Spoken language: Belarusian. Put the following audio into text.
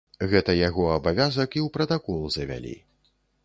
Гэта яго абавязак і ў пратакол завялі.